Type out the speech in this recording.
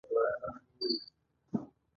مسجدالحرام یې په یوه کانکریټي ځنګل کې پټ کړی.